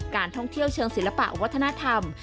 การท่องเที่ยวเชิงศิลปะวัฒนธรรม